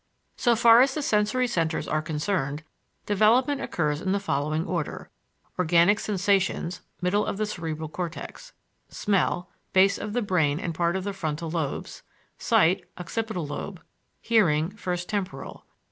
So far as the sensory centers are concerned, development occurs in the following order: Organic sensations (middle of cerebral cortex), smell (base of the brain and part of the frontal lobes), sight (occipital lobe), hearing (first temporal).